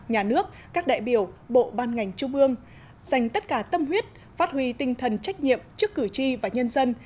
nhà nước các đại biểu bộ ban ngành trung ương dành tất cả tâm huyết phát huy tinh thần trách nhiệm trước cử tri và nhân dân